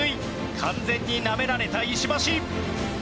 完全になめられた石橋。